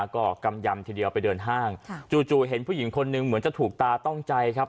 ก็กำยำทีเดียวไปเดินห้างจู่เห็นผู้หญิงคนหนึ่งเหมือนจะถูกตาต้องใจครับ